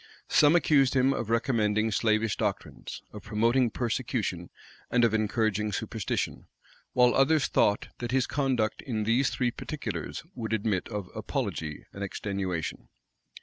Some accused him of recommending slavish doctrines, of promoting persecution, and of encouraging superstition; while others thought that his conduct in these three particulars would admit of apology and extenuation.